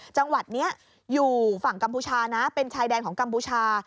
จังหวัดนี้อยู่ฝั่งกัมพูชานะเป็นชายแดนของกัมพูชา